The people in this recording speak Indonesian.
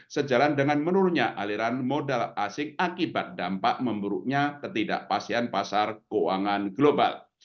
sejalan dengan menurunnya aliran modal asing akibat dampak memburuknya ketidakpastian pasar keuangan global